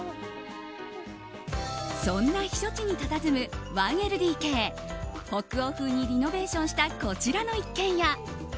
そんな避暑地にたたずむ１ＬＤＫ北欧風にリノベーションしたこちらの一軒家。